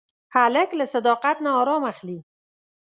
هلک له صداقت نه ارام اخلي.